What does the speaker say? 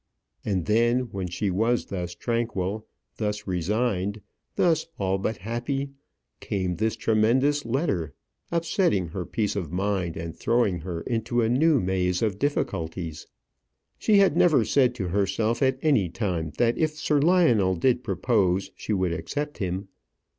And then, when she was thus tranquil, thus resigned, thus all but happy, came this tremendous letter, upsetting her peace of mind, and throwing her into a new maze of difficulties. She had never said to herself at any time that if Sir Lionel did propose she would accept him.